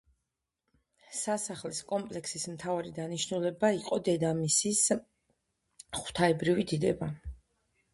სასახლის კომპლექსის მთავარი დანიშნულება იყო დედამისის ღვთაებრივი დიდება.